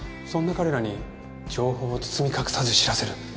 そんな彼らに情報を包み隠さず知らせる。